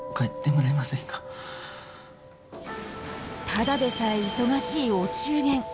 ただでさえ忙しいお中元。